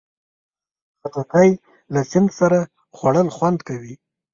خټکی له سیند سره خوړل خوند کوي.